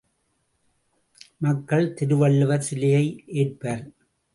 மக்கள் திருவள்ளுவர் சிலையை ஏற்பர்!